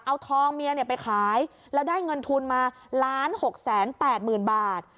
เอาทองเมียไปขายแล้วได้เงินทุนมา๑๖๘๐๐๐บาท